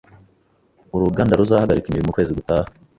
Uruganda ruzahagarika imirimo ukwezi gutaha